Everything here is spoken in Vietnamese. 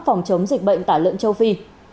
phòng chống dịch bệnh tả lợn châu phi